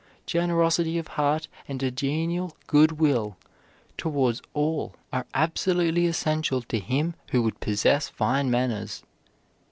Generosity of heart and a genial good will towards all are absolutely essential to him who would possess fine manners.